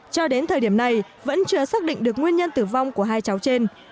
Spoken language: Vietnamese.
cho đến thời điểm này vẫn chưa xác định được nguyên nhân tử vong của hai cháu trên